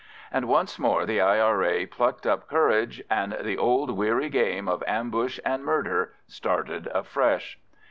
And once more the I.R.A. plucked up courage, and the old weary game of ambush and murder started afresh.